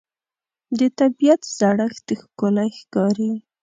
د طبیعت زړښت ښکلی ښکاري